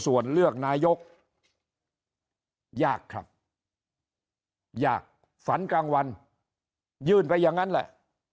ส่วนเลือกนายกยากครับยากฝันกลางวันยื่นไปอย่างนั้นแหละ